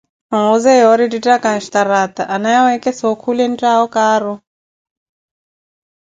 Nwuuze yoori yeettettaka nxini mwa xtaraata anaaye weekhesa okhule entawo kaaru.